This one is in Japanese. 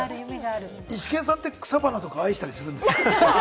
イシケンさんって草花とか愛したりするんですか？